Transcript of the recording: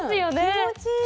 気持ちいい！